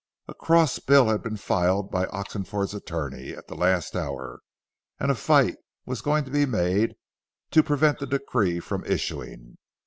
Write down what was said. A cross bill had been filed by Oxenford's attorney at the last hour, and a fight was going to be made to prevent the decree from issuing.